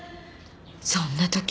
そんな時。